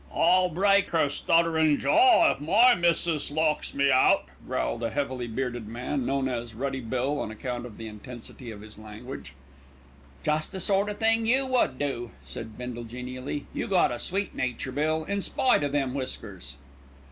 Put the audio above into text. "I'll break 'er stutterin' jaw if my missis locks me out," growled a heavily bearded man, known as "Ruddy Bill" on account of the intensity of his language. "Jest the sort o' thing you would do," said Bindle genially. "You got a sweet nature, Bill, in spite of them whiskers."